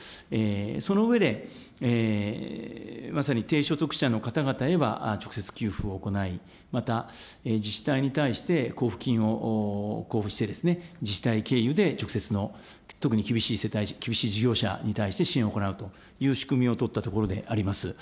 その上で、まさに低所得者の方々へは直接給付を行い、また、自治体に対して交付金を交付して、自治体経由で直接の、特に厳しい世帯、厳しい事業者に対して支援を行うという仕組みを取ったところであります。